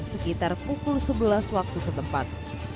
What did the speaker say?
sekitar pukul sebelas waktu setempat